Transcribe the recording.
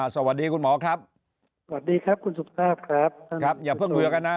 สวัสดีคุณหมอครับสวัสดีครับคุณสุภาพครับครับอย่าเพิ่งเบื่อกันนะ